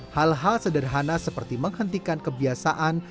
hal hal sederhana seperti menghentikan kebiasaan